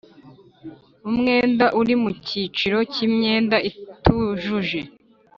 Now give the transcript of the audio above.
Umwenda uri mu cyiciro cy imyenda itujuje